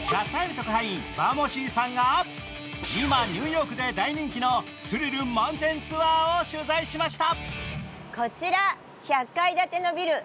特派員、Ｖａｍｏｓｙさんが今ニューヨークで大人気のスリル満点ツアーを取材しました。